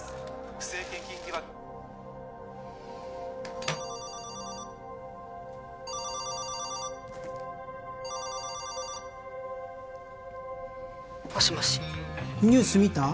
不正献金疑惑☎もしもしニュース見た？